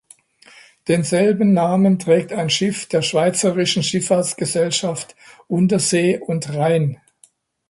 Denselben Namen trägt ein Schiff der Schweizerischen Schifffahrtsgesellschaft Untersee und Rhein.